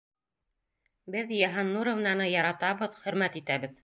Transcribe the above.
Беҙ Йыһаннуровнаны яратабыҙ, хөрмәт итәбеҙ!